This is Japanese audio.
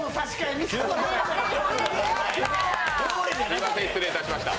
すみません、失礼しました。